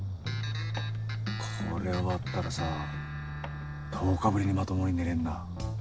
これ終わったらさ１０日ぶりにまともに寝れんな。